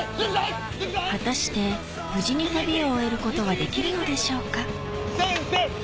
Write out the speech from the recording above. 果たして無事に旅を終えることはできるのでしょうか？